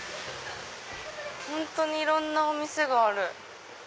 本当にいろんなお店がある。